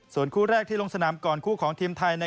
ส่วนคู่แรกที่ลงสนามก่อนคู่ของทีมไทย